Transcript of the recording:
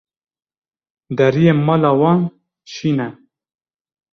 Deriyê mala wan şîn e.